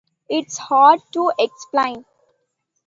It’s hard to explain.